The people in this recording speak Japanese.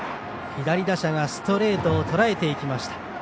左打者がストレートをとらえていきました。